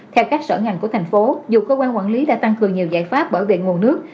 theo các sở ngành của thành phố dù cơ quan quản lý đã tăng cường nhiều giải pháp bảo vệ nguồn nước